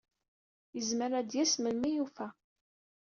Yezmer ad d-yas melmi i yufa.